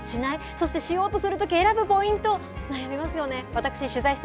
そしてしようとするとき、選ぶポイント、悩みますよね。